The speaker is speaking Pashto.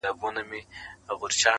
اوس مي تا ته دي راوړي سوغاتونه-